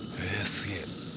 すげえ！